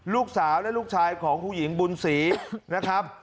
ลูกสาวและลูกชายของผู้หญิงบุญศรีนะครับ